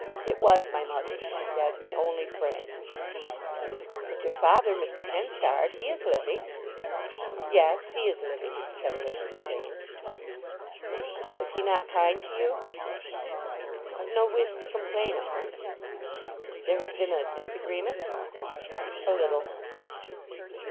"It was my mother," she said, "my only friend." "But your father, Mr. Henchard. He is living?" "Yes, he is living," said Elizabeth Jane. "Is he not kind to you?" "I've no wish to complain of him." "There has been a disagreement?" "A little."